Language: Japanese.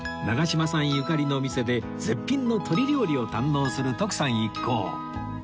長嶋さんゆかりのお店で絶品の鶏料理を堪能する徳さん一行